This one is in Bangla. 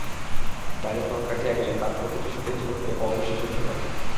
বাজে ফর্ম কাটিয়ে কাল তাঁর প্রতিটি শটেই ছিল ফিরে পাওয়া আত্মবিশ্বাসের ঝলক।